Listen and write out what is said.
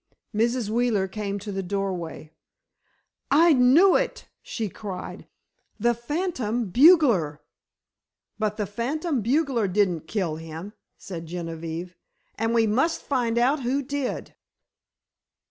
Mrs. Wheeler came to the doorway. "I knew it!" she cried; "the phantom bugler!" "But the phantom bugler didn't kill him," said Genevieve, "and we must find out who did!"